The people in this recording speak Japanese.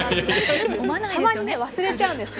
たまに忘れちゃうんですよ。